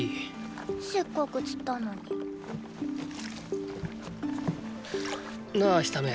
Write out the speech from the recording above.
せっかく釣ったのに。なぁヒサメ。